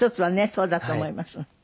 そうだと思います。